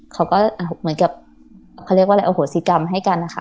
เขาก็เหมือนกับเขาเรียกว่าอะไรอโหสิกรรมให้กันนะคะ